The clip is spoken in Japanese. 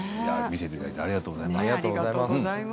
見せてくれてありがとうございます。